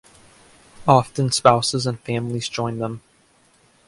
Often spouses and families join them.